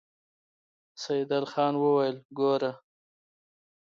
سيدال خان وويل: ګوره!